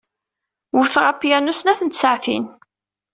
Wteɣ apyanu snat n tsaɛtin.